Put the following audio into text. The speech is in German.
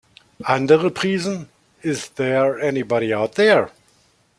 Andere priesen "Is There Anybody Out There?